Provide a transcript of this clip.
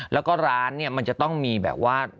แล้วก็ร้านเนี่ยมันจะต้องมีแบบว่า